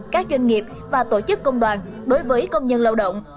các doanh nghiệp và tổ chức công đoàn đối với công nhân lao động